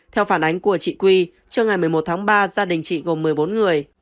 theo phản ánh của chị quy trưa ngày một mươi một tháng ba gia đình chị gồm một mươi bốn người